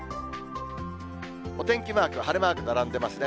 お天気マークは晴れマーク並んでますね。